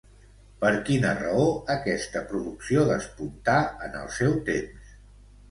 Per quina raó aquesta producció despuntà en el seu temps?